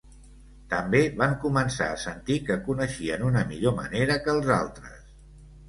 També van començar a sentir que coneixien una millor manera que els altres.